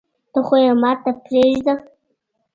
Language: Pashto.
ته خو يي ماته پریږده